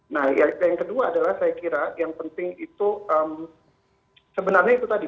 nah yang kedua adalah saya kira yang penting itu sebenarnya itu tadi